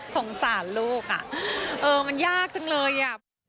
สงสารลูกมันยากจังเลย